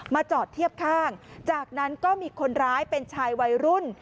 จอดเทียบข้างจากนั้นก็มีคนร้ายเป็นชายวัยรุ่น